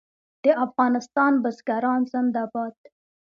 د افغانستان بزګران زنده باد.